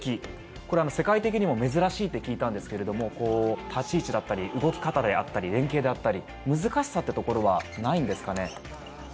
これ、世界的にも珍しいと聞いたんですが立ち位置だったり動き方であったり連係であったり難しさというところはないんですかね？